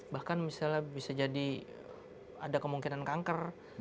bahkan misalnya bisa jadi ada kemungkinan kanker